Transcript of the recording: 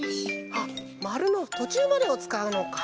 あっまるのとちゅうまでをつかうのか。